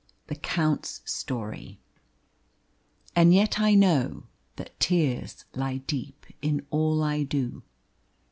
THE COUNT'S STORY. And yet I know That tears lie deep in all I do.